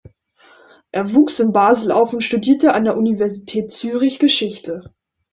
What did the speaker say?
Er wuchs in Basel auf und studierte an der Universität Zürich Geschichte.